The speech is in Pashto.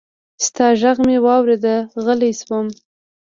ستا غږ مې واورېد، غلی شوم